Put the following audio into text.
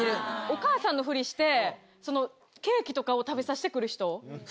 お母さんのフリしてケーキとかを食べさせて来る人。